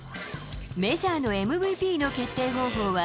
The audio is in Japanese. メジャーのＭＶＰの決定方法は、